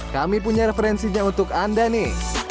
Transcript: kami punya referensinya untuk anda nih